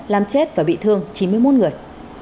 làm chết và bị thương chín mươi một người